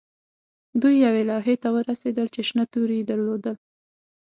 دوی یوې لوحې ته ورسیدل چې شنه توري یې درلودل